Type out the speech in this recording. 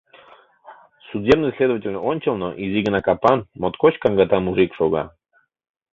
Судебный следователь ончылно изи гына капан, моткоч каҥгата мужик шога.